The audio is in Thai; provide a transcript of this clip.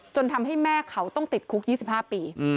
ทำให้แม่เขาต้องติดคุก๒๕ปี